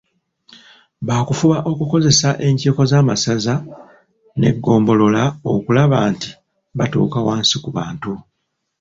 Baakufuba okukozesa enkiiko z'amasaza n'eggombolola okulaba nti batuuka wansi ku bantu.